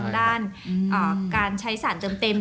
ด้านการใช้สารเติมเต็ม